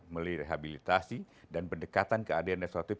melalui rehabilitasi dan pendekatan keadilan restotif